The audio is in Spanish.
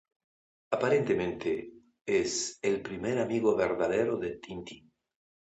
Aparentemente, es el primer amigo verdadero de Tintín.